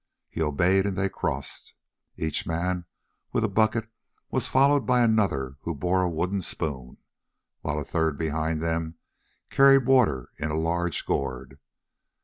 He obeyed and they crossed. Each man with a bucket was followed by another who bore a wooden spoon, while a third behind them carried water in a large gourd.